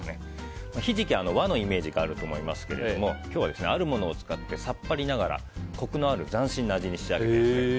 ヒジキは和のイメージがあると思いますが今日はあるものを使ってさっぱりながらコクのある斬新な味に仕上げます。